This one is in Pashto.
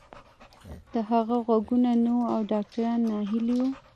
د هغه غوږونه نه وو او ډاکتران ناهيلي وو.